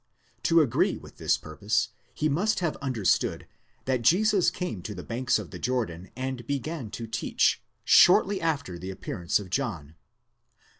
'To agree with this purpose, he must have understood that Jesus came to the banks of the Jordan and began to teach, shortly after the appearance of John.!